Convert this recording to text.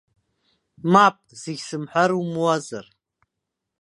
Мап, зегьы сымҳәар умуазар.